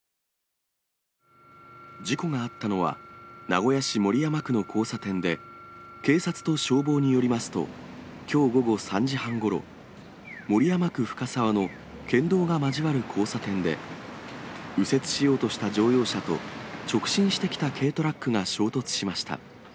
事故があったのは、名古屋市守山区の交差点で、警察と消防によりますと、きょう午後３時半ごろ、守山区ふかさわの県道が交わる交差点で、右折しようとした乗用車と、直進してきた軽トラックが衝突しました。